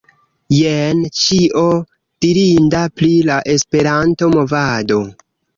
Jen ĉio dirinda pri "La Esperanto-Movado."